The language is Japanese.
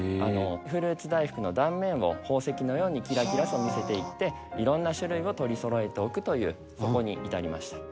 フルーツ大福の断面を宝石のようにキラキラと見せていって色んな種類を取り揃えておくというとこに至りました